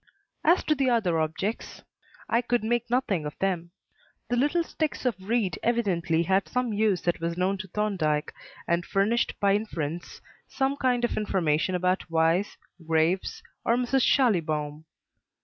As to the other objects, I could make nothing of them. The little sticks of reed evidently had some use that was known to Thorndyke and furnished, by inference, some kind of information about Weiss, Graves, or Mrs. Schallibaum.